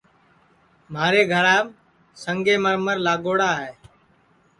مھارے گھرام سنگے مرمر لاگوڑا ہے